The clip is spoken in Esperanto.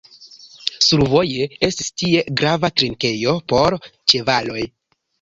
Survoje estis tie grava trinkejo por ĉevaloj.